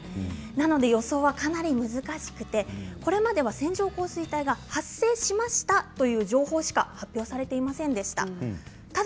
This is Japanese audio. なので予想はかなり難しくてこれまでは線状降水帯が発生しました、という情報しか発表されていませんでした。